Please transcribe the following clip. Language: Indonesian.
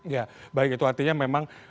ya baik itu artinya memang